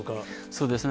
そうですね。